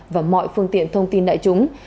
và mọi phương tiện thông tin đại chúng